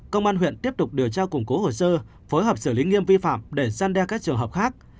công an huyện tiếp tục điều tra củng cố hồ sơ phối hợp xử lý nghiêm vi phạm để gian đe các trường hợp khác